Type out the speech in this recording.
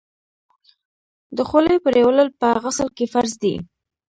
د خولې پریولل په غسل کي فرض دي.